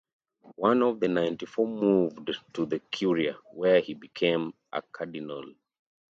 One of the ninety-four moved to the Curia, where he became a cardinal.